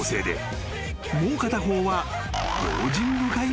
［もう片方は］